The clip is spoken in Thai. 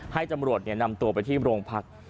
ให้จำโร่ตเนี่ยนำตัวไปที่โรงพรรค